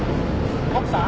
奥さん？